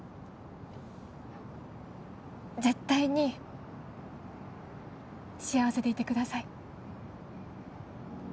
絶対に幸せでいてください。